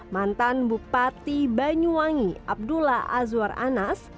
mantan bupati banyuwangi abdullah azwar anas